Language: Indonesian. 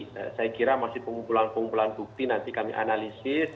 jadi saya kira masih pengumpulan pengumpulan bukti nanti kami analisis